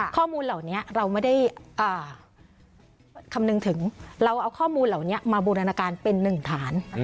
ข้อมูลเหล่านี้เราไม่ได้คำนึงถึงเราเอาข้อมูลเหล่านี้มาบูรณาการเป็นหนึ่งฐาน